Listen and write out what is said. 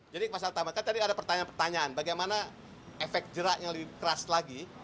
jadi pasal tambahkan tadi ada pertanyaan pertanyaan bagaimana efek jerak yang lebih keras lagi